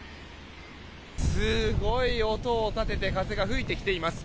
すごい音を立てて風が吹いてきています。